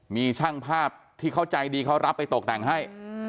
มีช่างภาพที่เขาใจดีเขารับไปตกแต่งให้